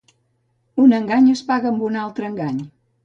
Un engany es paga amb un altre engany.